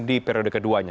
di periode keduanya